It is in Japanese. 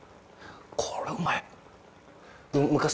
これうまい。